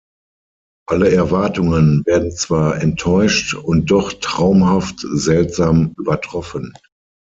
Alle Erwartungen werden zwar enttäuscht und doch traumhaft seltsam übertroffen.